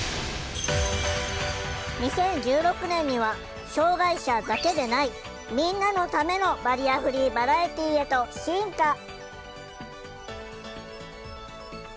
２０１６年には障害者だけでない「みんなのためのバリアフリーバラエティー」へと進化。